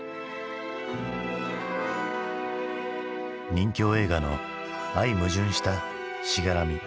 任侠映画の相矛盾した「しがらみ」。